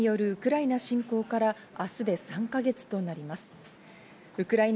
ロシア軍によるウクライナ侵攻から明日で３か月となります。